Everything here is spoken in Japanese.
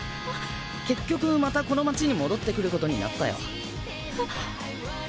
結局またこの街に戻ってくることになったよ。